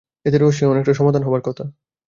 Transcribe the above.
এতে রহস্যের অনেকটা সমাধান হবার কথা।